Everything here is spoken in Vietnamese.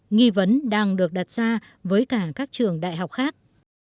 nghi vấn đang được đặt ra với cả các trường đại học khác